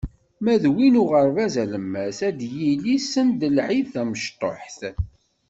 Ma d win n uɣerbaz alemmas, ad d-yili send lɛid tamecṭuḥt.